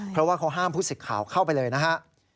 เพราะว่าเขาห้ามผู้สิทธิ์ข่าวเข้าไปเลยนะฮะ